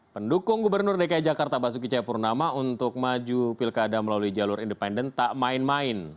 pendukung gubernur dki jakarta basuki cayapurnama untuk maju pilkada melalui jalur independen tak main main